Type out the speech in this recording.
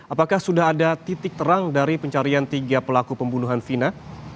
apakah sudah ada titik terang dari pencarian tiga pelaku pembunuhan vina